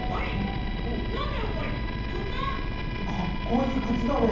かっこいいくつだね。